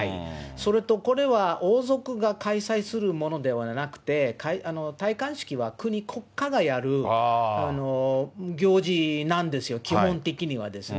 それとこれは王族が開催するものではなくて、戴冠式は国、国家がやる行事なんですよ、基本的にはですね。